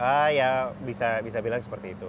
ah ya bisa bilang seperti itu